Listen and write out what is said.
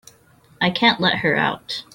I can't let her out.